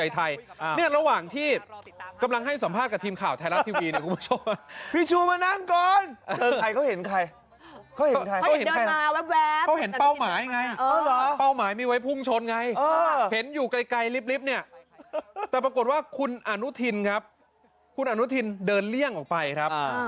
แต่ปรากฏว่าคุณอนุทินครับคุณอนุทินเดินเลี่ยงออกไปครับ